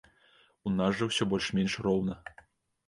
У нас жа ўсё больш менш роўна.